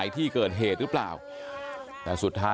ยายก็นั่งร้องไห้ลูบคลำลงศพตลอดเวลา